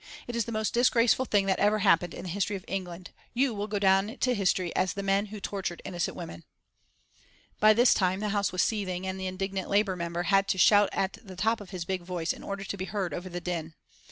It is the most disgraceful thing that ever happened in the history of England. You will go down to history as the men who tortured innocent women." By this time the House was seething, and the indignant Labour member had to shout at the top of his big voice in order to be heard over the din.